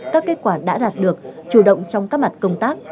các kết quả đã đạt được chủ động trong các mặt công tác